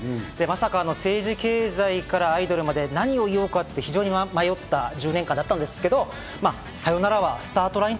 まさか政治・経済からアイドルまで、何を言おうかと迷った１０年間だったんですけど、サヨナラはスタートライン。